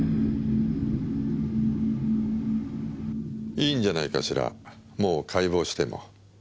いいんじゃないかしらもう解剖しても。